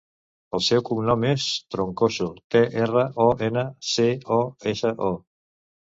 El seu cognom és Troncoso: te, erra, o, ena, ce, o, essa, o.